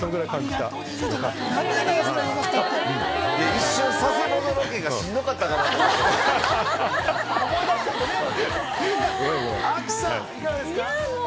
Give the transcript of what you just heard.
一瞬、佐世保のロケがしんどかったんかな？って思う。